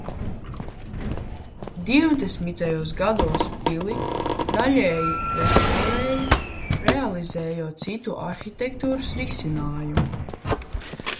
Divdesmitajos gados pili daļēji restaurēja, realizējot citu arhitektūras risinājumu.